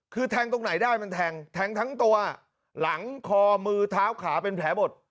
คือแทงตรงไหนได้มันแทงแทงทั้งตัวหลังคอมือเท้าขาเป็นแผลหมด